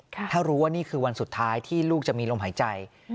ถ้ารู้ว่านี่คือวันสุดท้ายที่ลูกจะมีลมหายใจ